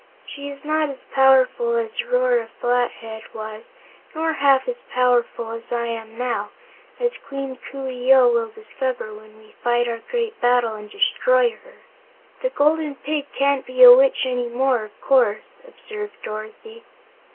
She is not as powerful as Rora Flathead was, nor half as powerful as I am now, as Queen Coo ee oh will discover when we fight our great battle and destroy her." "The Golden Pig can't be a witch any more, of course," observed Dorothy.